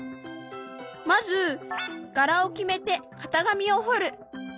まず柄を決めて型紙をほる。